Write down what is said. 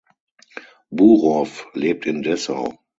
Burow lebt in Dessau.